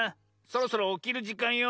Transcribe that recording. そろそろおきるじかんよ。